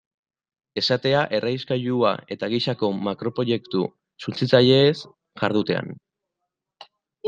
Esatea errauskailua eta gisako makroproiektu suntsitzaileez jardutean.